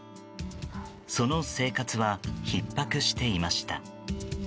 その生活はひっ迫していました。